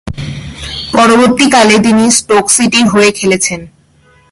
পরবর্তীকালে, তিনি স্টোক সিটির হয়ে খেলেছেন।